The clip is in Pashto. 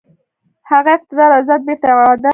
هغه اقتدار او عزت بیرته اعاده کړي.